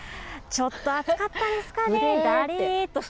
ちょっと暑かったですかね。